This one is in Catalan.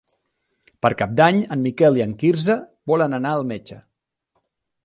Per Cap d'Any en Miquel i en Quirze volen anar al metge.